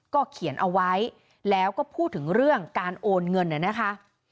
เขียนเอาไว้แล้วก็พูดถึงเรื่องการโอนเงินน่ะนะคะ